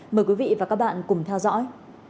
mời quý vị và các bạn cùng theo dõi